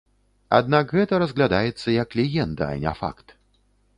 Аднак гэта разглядаецца як легенда, а не факт.